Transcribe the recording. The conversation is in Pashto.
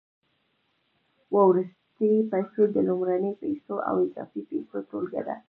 وروستۍ پیسې د لومړنیو پیسو او اضافي پیسو ټولګه ده